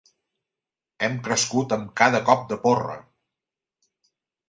Hem crescut amb cada cop de porra.